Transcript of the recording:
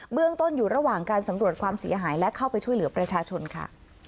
เรื่องต้นอยู่ระหว่างการสำรวจความเสียหายและเข้าไปช่วยเหลือประชาชนค่ะ